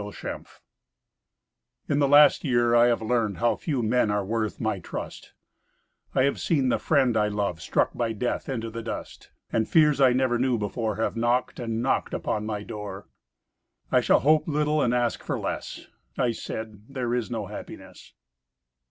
Red Maples In the last year I have learned How few men are worth my trust; I have seen the friend I loved Struck by death into the dust, And fears I never knew before Have knocked and knocked upon my door "I shall hope little and ask for less," I said, "There is no happiness."